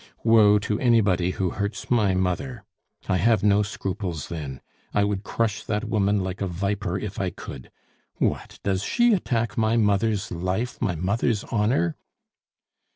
"Woe to anybody who hurts my mother! I have no scruples then. I would crush that woman like a viper if I could! What, does she attack my mother's life, my mother's honor?"